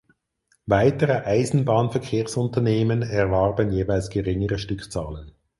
Weitere Eisenbahnverkehrsunternehmen erwarben jeweils geringere Stückzahlen.